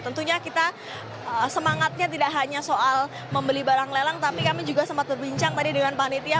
tentunya kita semangatnya tidak hanya soal membeli barang lelang tapi kami juga sempat berbincang tadi dengan panitia